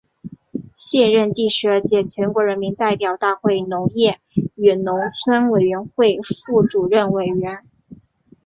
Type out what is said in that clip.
现任第十二届全国人民代表大会农业与农村委员会副主任委员。